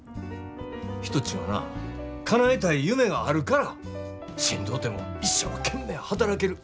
人ちゅうんはなかなえたい夢があるからしんどうても一生懸命働ける。